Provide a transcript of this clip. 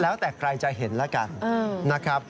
แล้วแต่ใครจะเห็นแล้วกันนะครับ